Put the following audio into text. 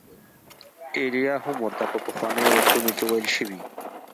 ایلیا هم ورته په پخوانیو وختونو کې ویل شوي.